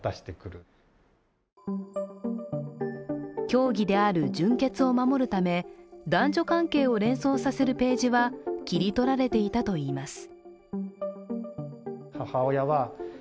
教義である純潔を守るため、男女関係を連想させるページは切り取られていたといいます。